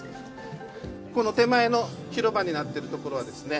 この手前の広場になってるところはですね